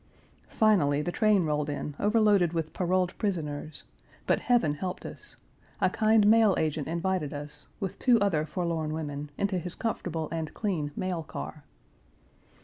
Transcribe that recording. Finally the train rolled in overloaded with paroled Page 369 prisoners, but heaven helped us: a kind mail agent invited us, with two other forlorn women, into his comfortable and clean mail car.